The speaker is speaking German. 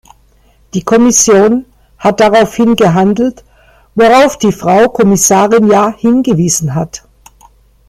Die Kommission hat daraufhin gehandelt, worauf die Frau Kommissarin ja hingewiesen hat.